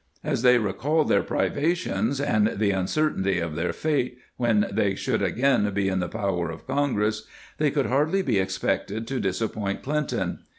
As they recalled their privations, and the uncertainty of their fate when they should again be in the power of Congress, they could hardly be expected to disappoint Clinton.